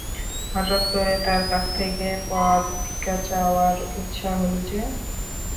হঠাৎ করে তার কাছ থেকে পদ ভিক্ষা চাওয়ার ইচ্ছা হলো যে?